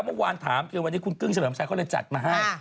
เมื่อวานถามคือวันนี้คุณกึ้งเฉลิมชัยเขาเลยจัดมาให้